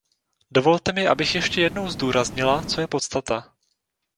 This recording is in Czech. Dovolte mi, abych ještě jednou zdůraznila, co je podstata.